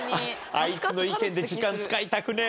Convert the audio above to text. あいつの意見で時間使いたくねえ。